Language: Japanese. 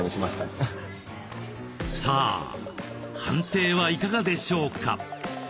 さあ判定はいかがでしょうか。